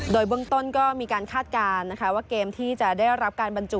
โดยเบื้องต้นก็มีการคาดการณ์นะคะว่าเกมที่จะได้รับการบรรจุ